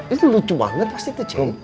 itu lucu banget pasti itu ceng